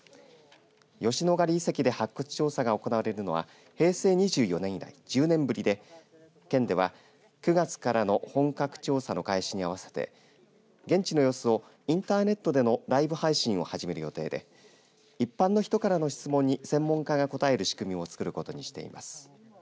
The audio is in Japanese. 吉野ヶ里遺跡で発掘調査が行われるのは平成２４年以来１０年ぶりで県では９月からの本格調査の開始に合わせて現地の様子をインターネットでのライブ配信を始める予定で一般の人からの質問に専門家が答える仕組みもつくることにしています。